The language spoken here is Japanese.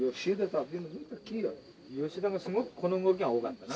吉田がすごくこの動きが多かったな。